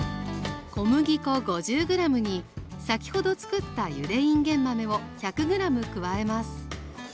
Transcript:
小麦粉５０ｇに先ほどつくったゆでいんげん豆を１００ｇ加えます。